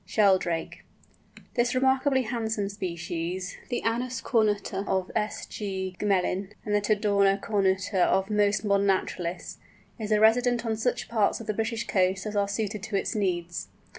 SHELDRAKE. This remarkably handsome species, the Anas cornuta of S. G. Gmelin, and the Tadorna cornuta of most modern naturalists, is a resident on such parts of the British coasts as are suited to its needs.